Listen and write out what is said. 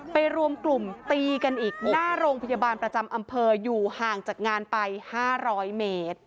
รวมกลุ่มตีกันอีกหน้าโรงพยาบาลประจำอำเภออยู่ห่างจากงานไป๕๐๐เมตร